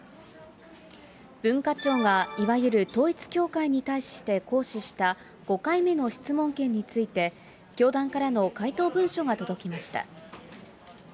文化庁がいわゆる統一教会に対して行使した、５回目の質問権について、教団からの回答文書が届きました。